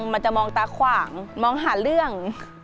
มันจะมองตาขวางมองหาเรื่อง